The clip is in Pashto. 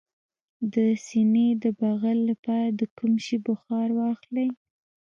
د سینې د بغل لپاره د کوم شي بخار واخلئ؟